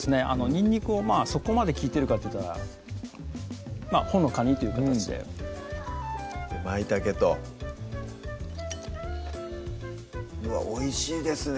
にんにくをまぁそこまで利いてるかっていったらまぁほのかにという形でうんまいたけとうわおいしいですね